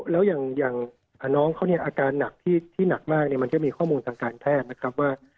แล้วอย่างน้องเขาเนี่ยอาการหนักที่หนักมากมันก็มีข้อมูลทางการแพทย์นะครับว่า